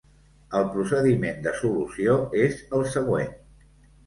El procediment de solució és el següent.